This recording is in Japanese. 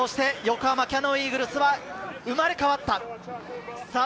横浜キヤノンイーグルスは生まれ変わりました。